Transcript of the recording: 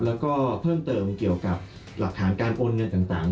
แล้วก็เพิ่มเติมเกี่ยวกับหลักฐานการโอนเงินต่าง